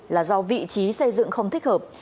là do vị trí xây dựng không thích hợp